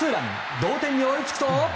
同点に追いつくと。